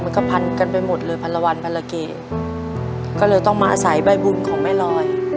มันก็พันกันไปหมดเลยพันละวันพันละเกก็เลยต้องมาอาศัยใบบุญของแม่ลอย